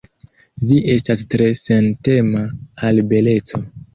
Vi estas tre sentema al beleco.